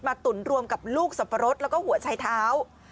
ตุ๋นรวมกับลูกสับปะรดแล้วก็หัวชายเท้า